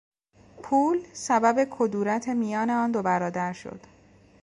پول، سبب کدورت میان آن دو برادر شد.